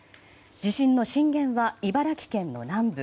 地震の震源は茨城県の南部。